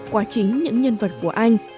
qua chính những nhân vật của anh